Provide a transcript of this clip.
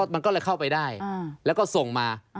มันก็เลยเข้าไปได้แล้วก็ส่งมา